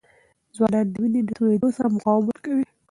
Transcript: ځوانان د وینې د تویېدو سره مقاومت کوي.